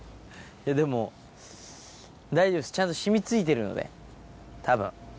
でも大丈夫ですちゃんと染み付いてるのでたぶん。